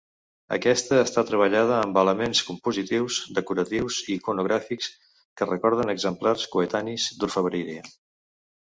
Aquesta està treballada amb elements compositius, decoratius i iconogràfics que recorden exemplars coetanis d'orfebreria.